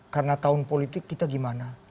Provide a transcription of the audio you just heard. karena tahun politik kita gimana